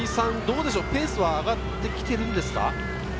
ペースは上がってきていますか？